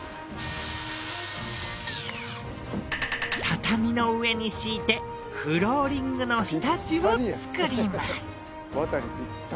畳の上に敷いてフローリングの下地を作ります。